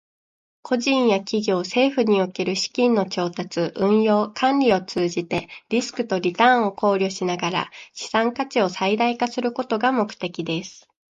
個人や企業、政府における資金の調達、運用、管理を通じて、リスクとリターンを考慮しながら資産価値を最大化することが目的です。